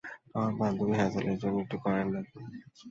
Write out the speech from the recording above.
আমার বান্ধবী হ্যাজেলের জন্য একটা কয়েন লাগবে।